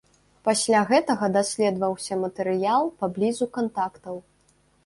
Пасля гэтага даследаваўся матэрыял паблізу кантактаў.